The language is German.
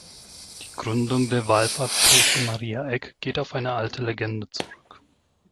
Die Gründung der Wallfahrtskirche Maria Eck geht auf eine alte Legende zurück.